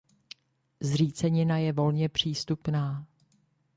Zřícenina je volně přístupná.